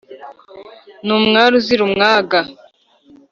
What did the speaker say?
ni umwari uzira umwaвga.